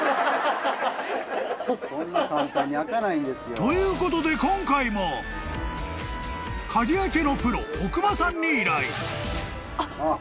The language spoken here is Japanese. ［ということで今回も鍵開けのプロ奥間さんに依頼］